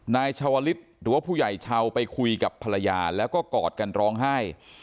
นายชาวลิศหรือว่าผู้ใหญ่ชาวไปคุยกับภรรยาแล้วก็กอดกันร้องไห้